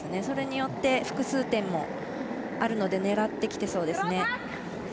それによって複数点もあるので狙ってきてそうですね。